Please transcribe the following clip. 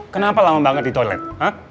kenapa lama banget di toilet